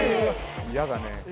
嫌だね